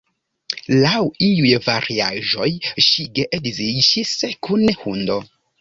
Laŭ iuj variaĵoj, ŝi geedziĝis kun hundo.